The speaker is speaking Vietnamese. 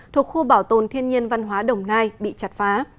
thuộc khu bảo tồn thiên nhiên văn hóa đồng nai bị chặt phá